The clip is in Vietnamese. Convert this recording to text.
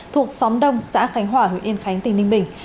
thuộc xóm đông xã khánh hòa huyện yên khánh tỉnh ninh bình